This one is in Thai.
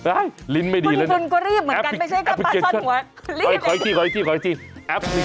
ไอ้ลิ้นไม่ดีเลยนะคุณจนก็รีบเหมือนกัน